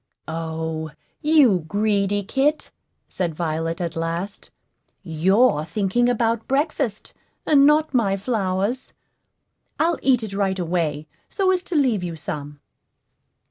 "O, you greedy kit!" said Violet, at last; "you're thinking about breakfast, and not my flowers. I'll eat it right away, so as to leave you some."